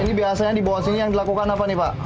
ini biasanya di bawah sini yang dilakukan apa nih pak